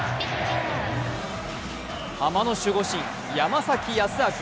ハマの守護神・山崎康晃。